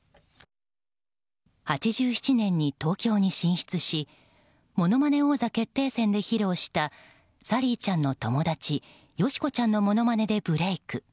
８７年に東京に進出し「ものまね王座決定戦」で披露したサリーちゃんの友達よしこちゃんのものまねでブレーク。